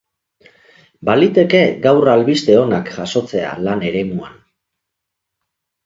Baliteke gaur albiste onak jasotzea lan eremuan.